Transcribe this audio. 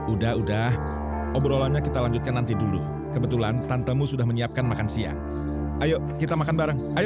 udah udah obrolannya kita lanjutkan nanti dulu kebetulan tantemu sudah menyiapkan makan siang ayo kita makan bareng ayo